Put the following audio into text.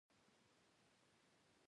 غوړې د حافظې ښه کولو لپاره هم ګټورې دي.